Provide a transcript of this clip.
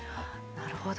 なるほど。